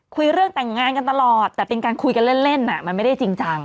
คุยเรื่องแต่งงานกันตลอดแต่เป็นการคุยกันเล่นมันไม่ได้จริงจัง